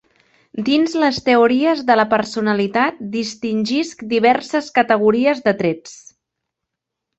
Dins les teories de la personalitat, distingisc diverses categories de trets.